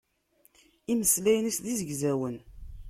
Imeslayen-is d izegzawen.